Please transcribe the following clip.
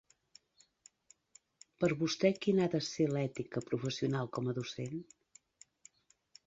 Per a vostè quina ha de ser l'ètica professional com a docent?